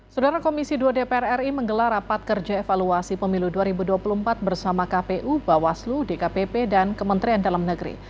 saudara komisi dua dpr ri menggelar rapat kerja evaluasi pemilu dua ribu dua puluh empat bersama kpu bawaslu dkpp dan kementerian dalam negeri